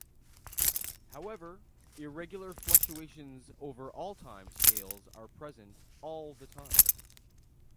However, irregular fluctuations over all time scales are present all the time.